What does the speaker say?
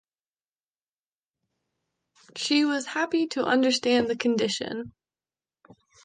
she was happy to understand the condition!